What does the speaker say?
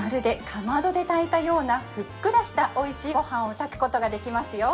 かまどで炊いたようなふっくらしたおいしいごはんを炊くことができますよ